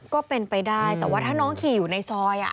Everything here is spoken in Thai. ก็เป็นไปได้แต่ว่าถ้าน้องขี่อยู่ในซอย